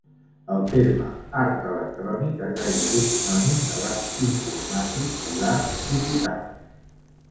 El terme "art electrònic" és gairebé sinònim de l'art informàtic i l'art digital.